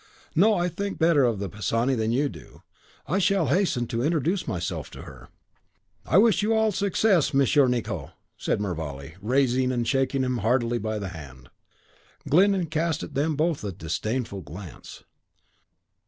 No; I think better of the Pisani than you do. I shall hasten to introduce myself to her." "I wish you all success, Monsieur Nicot," said Mervale, rising, and shaking him heartily by the hand. Glyndon cast at them both a disdainful glance.